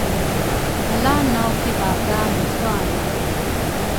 Ala naw kivaga musuane